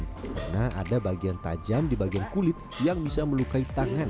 karena ada bagian tajam di bagian kulit yang bisa melukai tangan